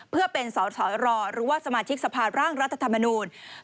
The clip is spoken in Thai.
เพื่อเป็นสสรหรือว่าสมาชิกสภาร่างรัฐธรรมนูญ